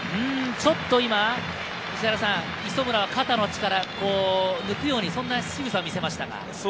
ちょっと今、磯村、肩の力を抜くようにそんなしぐさを見せました。